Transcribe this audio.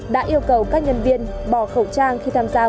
đã yêu cầu các nhân viên bỏ khẩu trang khi tham gia hành vi